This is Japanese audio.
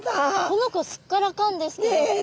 この子すっからかんですね。